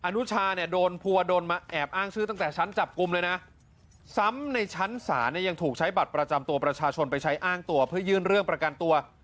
อนุชาเนี่ยโดนภูวดลมาแอบอ้างชื่อตั้งแต่ชั้นจับกลุ่มเลยนะซ้ำในชั้นศาลเนี่ยยังถูกใช้บัตรประจำตัวประชาชนไปใช้อ้างตัวเพื่อยื่นเรื่องประกันตัว